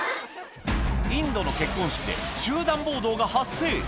インドの結婚式で集団暴動が発生。